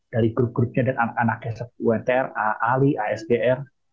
dari grup grupnya dan anak anaknya utr ali asdr